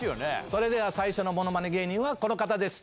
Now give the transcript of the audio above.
それでは最初のものまね芸人はこの方です。